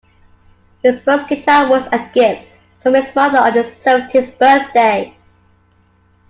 His first guitar was a gift from his mother on his seventeenth birthday.